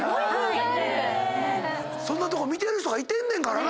そんなとこ見てる人がいてんねんからな。